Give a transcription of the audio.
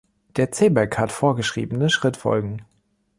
Der Zeybek hat vorgeschriebene Schrittfolgen.